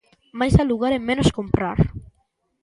Máis alugar e menos comprar.